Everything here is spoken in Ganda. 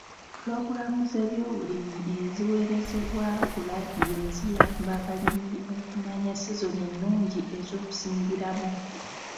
Pulogulaamu z'ebyobulimi eziweerezebwa ku laadiyo ziyamba balimi okumanya sizoni ennungi ez'okusimbiramu.